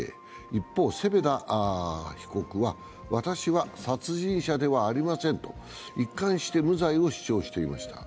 一方、セペダ被告は、私は殺人者ではありませんと一貫して無罪を主張していました。